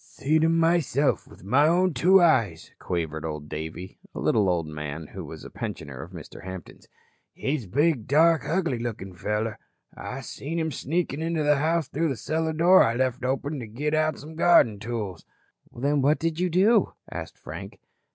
"Seed him myself with my own two eyes," quavered Old Davey, a little old man who was a pensioner of Mr. Hampton's. "He's a big dark ugly lookin' feller. I seed him a sneakin' into the house through the cellar door I left open to git out some garden tools." "Then what did you do?" asked Frank.